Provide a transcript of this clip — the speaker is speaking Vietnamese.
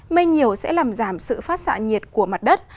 mây nhiều sẽ làm giảm sự phát xạ nhiệt của mặt đất